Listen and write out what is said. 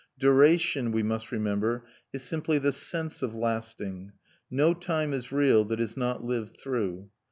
Duration, we must remember, is simply the sense of lasting; no time is real that is not lived through.